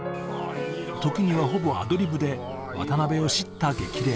時にはほぼアドリブで渡辺をしった激励。